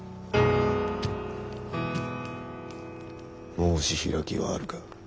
申し開きはあるか？